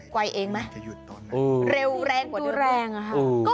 ไกวเองไหมเร็วแรงกว่าเดียว